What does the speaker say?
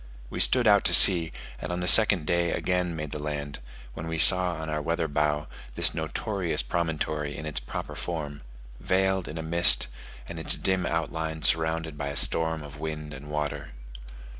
We stood out to sea, and on the second day again made the land, when we saw on our weather bow this notorious promontory in its proper form veiled in a mist, and its dim outline surrounded by a storm of wind and water.